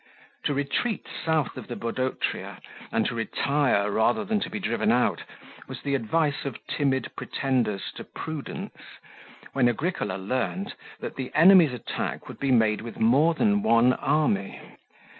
To retreat south of the Bodotria, and to retire rather than to be driven out, was the advice of timid pretenders to prudence, when Agricola learnt that the enemy's attack would be made with more than one army.